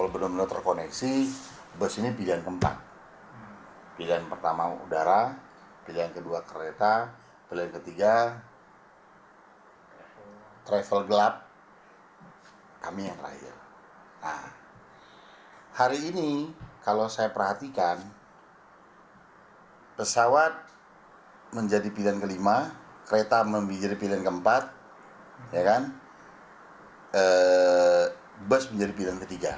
bus menjadi pilihan ketiga